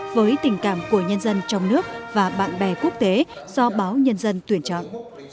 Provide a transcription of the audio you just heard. với tình cảm của nhân dân trong nước và bạn bè quốc tế do báo nhân dân tuyển chọn